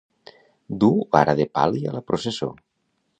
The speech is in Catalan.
Dur vara de pal·li a la processó.